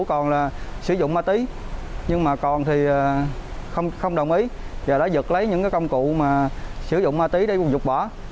còn là sử dụng ma tí nhưng mà còn thì không đồng ý và đã giật lấy những công cụ sử dụng ma tí để dục bỏ